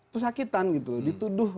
pesakitan gitu loh dituduh